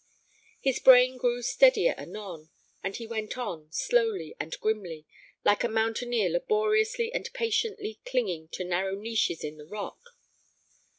His brain grew steadier anon, and he went on, slowly and grimly, like a mountaineer laboriously and patiently clinging to narrow niches in the rock.